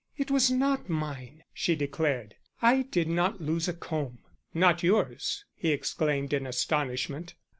"It was not mine," she declared. "I did not lose a comb." "Not yours?" he exclaimed in astonishment.